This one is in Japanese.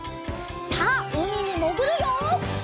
さあうみにもぐるよ！